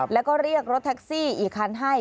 แล้วก็เรียกรถแท็กซี่อีกคันให้